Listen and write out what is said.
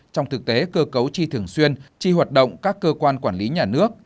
trong thực tế cơ cấu tri thường xuyên tri hoạt động các cơ quan quản lý nhà nước